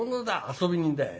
遊び人だい。